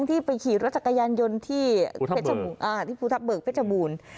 ที่พูทับเบิกเพชบูรณ์